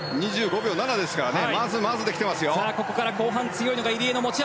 ２５秒７ですからまずまずですよ。